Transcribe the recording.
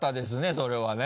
それはね。